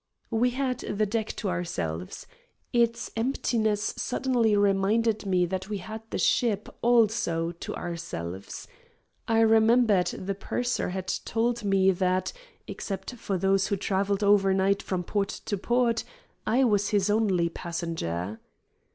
We had the deck to ourselves. Its emptiness suddenly reminded me that we had the ship, also, to ourselves. I remembered the purser had told me that, except for those who travelled overnight from port to port, I was his only passenger.